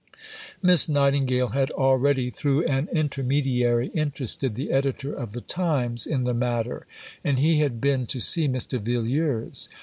Miss Nightingale had already, through an intermediary, interested the editor of the Times in the matter, and he had been to see Mr. Villiers.